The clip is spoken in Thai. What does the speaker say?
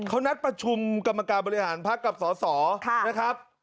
เขานัดประชุมกรรมการบริหารภาคกับสหสอธิ์